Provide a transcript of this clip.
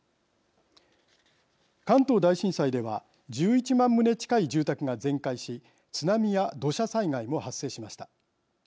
関東大震災では１１万棟近い住宅が全壊し津波や土砂災害も発生しました。